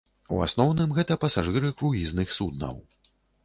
У асноўным, гэта пасажыры круізных суднаў.